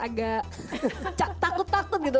agak gemetar agak takut takut gitu